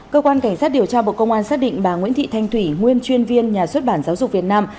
cơ quan cảnh sát điều tra bộ công an xác định bà nguyễn thị thanh thủy nguyên chuyên viên nhà xuất bản giáo dục việt nam